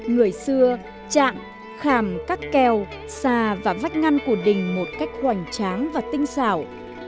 người xưa chạm khàm các keo xà và vách ngăn của đình một cách hoành tráng và tinh xảo